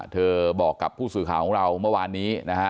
เธอบอกกับผู้สื่อข่าวของเราเมื่อวานนี้นะฮะ